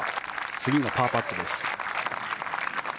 次がパーパットです。